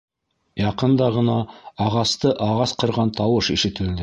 Яҡында ғына ағасты ағас ҡырған тауыш ишетелде.